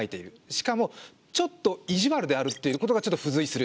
しかもちょっと意地悪であるっていうことがちょっと付随する。